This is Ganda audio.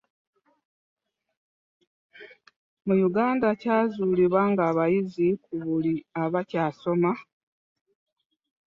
Mu Uganda, kyazuulibwa ng'abayizi ku buli abakyasoma